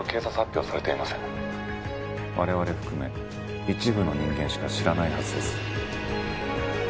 我々含め一部の人間しか知らないはずです。